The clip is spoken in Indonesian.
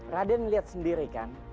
raden melihat sendiri kan